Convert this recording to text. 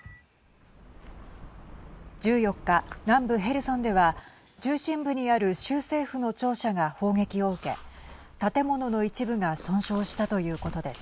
１４日、南部ヘルソンでは中心部にある州政府の庁舎が砲撃を受け建物の一部が損傷したということです。